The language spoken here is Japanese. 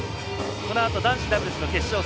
このあと男子ダブルスの決勝戦